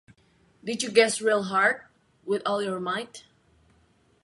Did you guess real hard, with all your might?